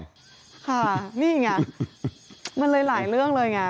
ค่ะนี่ไงมันเลยหลายเรื่องเลยไง